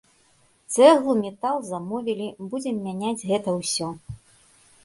Цэглу, метал замовілі, будзем мяняць гэта ўсё.